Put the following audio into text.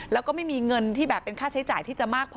แล้วก็ไม่มีเงินที่แบบเป็นค่าใช้จ่ายที่จะมากพอ